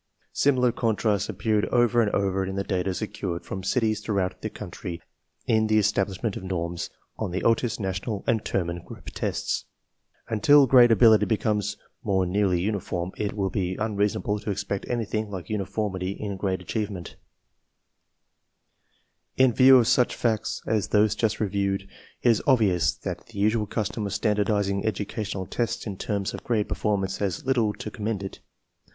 Similar contrasts appear over and over in the data secured from cities throughout the country in the establishment of norms on the Otis, National, and Terman Group tests. Untfl grade ability^ becomes more nearly uniform, it will be unreasonable to expect a^thingllke^iiiformltyTn grade achievement^ ~"Iii view of such facts asPth ose just ~Teviewed it is obvious that the usual custom of standardizing educa tional tests in terms of grade performance has little to commend it.